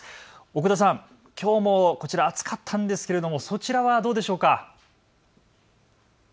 奥田さん、きょうもこちら暑かったんですけれどもそちらはどうでしょうか。